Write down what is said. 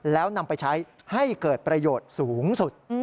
แล้วนำไปใช้ให้เกิดประโยชน์สูงสุด